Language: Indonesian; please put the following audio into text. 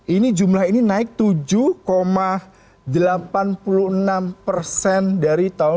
ini jumlah ini naik tujuh delapan puluh enam persen dari tahun dua ribu dua